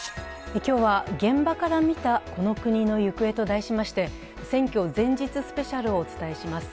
今日は現場から見たこの国の行方と題しまして選挙前日スペシャルをお伝えします。